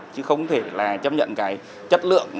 chứ không thể là chấp nhận cái chất lượng